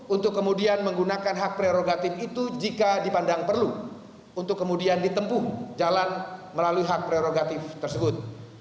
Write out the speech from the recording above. untuk kemudian menggunakan hak prerogatif itu jika dipandang perlu untuk kemudian ditempuh jalan melalui hak prerogatif tersebut